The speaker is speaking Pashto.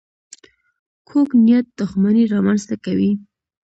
کوږ نیت دښمني رامنځته کوي